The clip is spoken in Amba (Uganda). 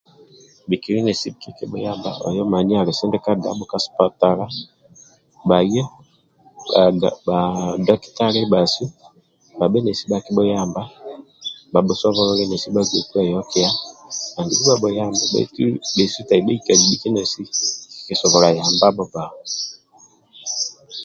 Bhikili nesi kikibhuyamba oyo mani ali sindikagabho ka sipatala bhaye bhaddakitali ndibhasu bhabhe nesi bhakibhuyamba bhabhusobolole nesi bhagbei kweyokia andulu bhabhuyambe.